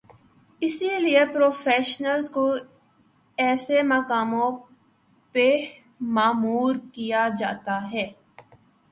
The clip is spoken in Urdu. اسی لیے پروفیشنلز کو ایسے کاموں پہ مامور کیا جاتا ہے۔